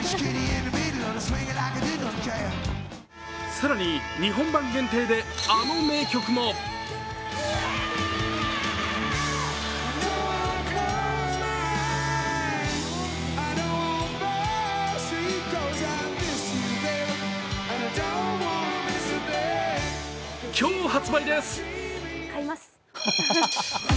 更に日本盤限定で、あの名曲も今日発売です。